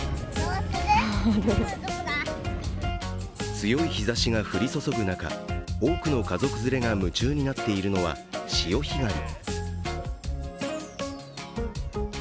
強い日ざしが降り注ぐ中、多くの家族連れが夢中になっているのは、潮干狩り。